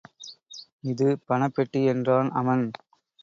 இது பணப்பெட்டி என்றான் அவன்.